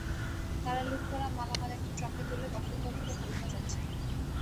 তারা লুট করা মালামাল একটি ট্রাকে তুলে গফরগাঁও থেকে ভালুকা যাচ্ছিল।